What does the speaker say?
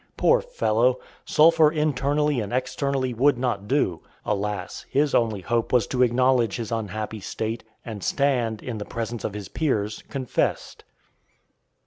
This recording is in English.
Poor fellow! sulphur internally and externally would not do. Alas! his only hope was to acknowledge his unhappy state, and stand, in the presence of his peers, confessed.